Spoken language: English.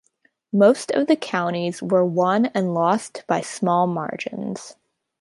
Most of the counties were won and lost by small margins.